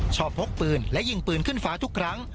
พกปืนและยิงปืนขึ้นฟ้าทุกครั้ง